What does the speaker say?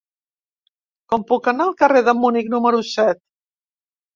Com puc anar al carrer de Munic número set?